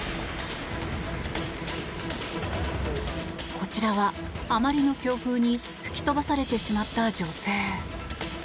こちらは、あまりの強風に吹き飛ばされてしまった女性。